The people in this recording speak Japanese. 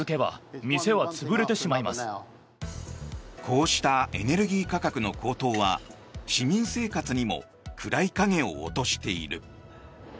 こうしたエネルギー価格の高騰は市民生活にも暗い影を落としている。